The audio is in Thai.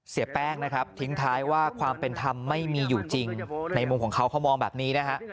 เสียแป้งนะครับทิ้งท้ายว่าความเป็นธรรมไม่มีอยู่จริงในมุมของเขาเขามองแบบนี้นะฮะ